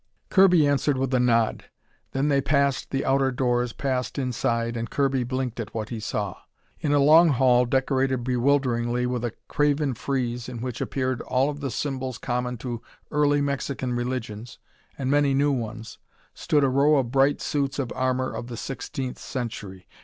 Kirby answered with a nod. Then they passed the outer doors, passed inside, and Kirby blinked at what he saw. In a long hall decorated bewilderingly with a carven frieze in which appeared all of the symbols common to early Mexican religions, and many new ones, stood a row of bright suits of armor of the Sixteenth Century.